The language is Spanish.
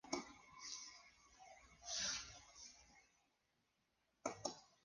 Un buen nombre constituye un valioso activo para una empresa.